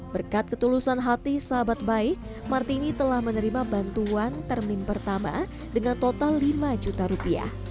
berkat ketulusan hati sahabat baik martini telah menerima bantuan termin pertama dengan total lima juta rupiah